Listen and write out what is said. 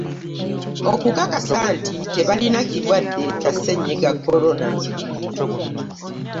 Okukakasa nti tebalina kirwadde kya Ssennyiga Corona.